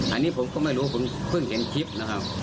อันนี้ผมก็ไม่รู้ผมเพิ่งเห็นคลิปนะครับ